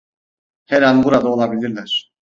Her an burada olabilirler.